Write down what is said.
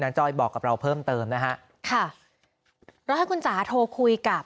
น้าจ้อยบอกกับเราเพิ่มเติมนะคะแล้วคุณถ้าโทรคุยกับ